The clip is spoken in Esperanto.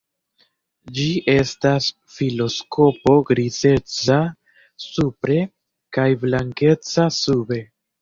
Ĝi estas filoskopo grizeca supre kaj blankeca sube.